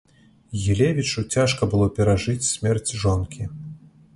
Гілевічу цяжка было перажыць смерць жонкі.